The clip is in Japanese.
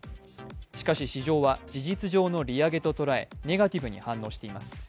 しかし市場は事実上の利上げととらえネガティブに反応しています。